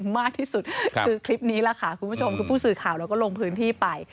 มากที่สุดคือคลิปนี้แหละค่ะคุณผู้ชมคือผู้สื่อข่าวเราก็ลงพื้นที่ไป